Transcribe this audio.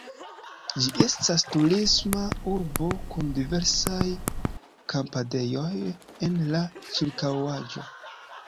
Ĝi estas turisma urbo kun diversaj kampadejoj en la ĉirkaŭaĵo.